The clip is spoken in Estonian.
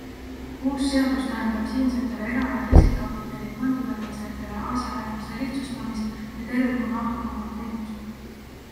Uus seadus tähendab siinsetele era- ja riskikapitali fondivalitsejatele asjaajamise lihtsustamist ja tervikuna odavamat teenust.